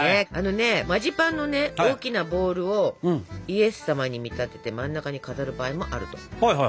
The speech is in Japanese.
あのねえマジパンの大きなボールをイエス様に見立てて真ん中に飾る場合もあると。